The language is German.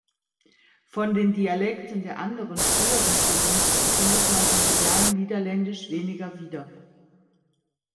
Von den Dialekten der anderen früheren Provinzen findet man im modernen Niederländisch weniger wieder.